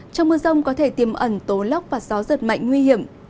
trong mưa rông có thể tiềm ẩn tố lóc và gió rất mạnh nguy hiểm